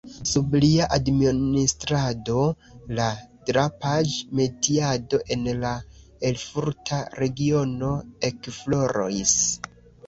Sub lia administrado la drapaĵ-metiado en la erfurta regiono ekfloris.